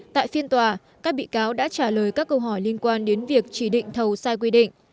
tại phiên tòa các bị cáo đã trả lời các câu hỏi liên quan đến việc chỉ định thầu sai quy định